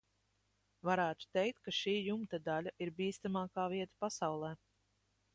Varētu teikt, ka šī jumta daļa ir bīstamākā vieta pasaulē.